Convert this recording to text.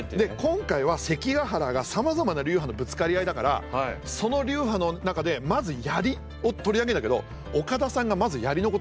今回は関ヶ原がさまざまな流派のぶつかり合いだからその流派の中でまず槍を取り上げんだけど岡田さんがまず槍のことをすぐね